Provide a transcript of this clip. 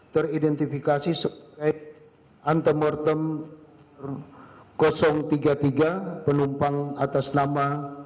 teridentifikasi sebagai antemortem tiga puluh tiga penumpang atas nama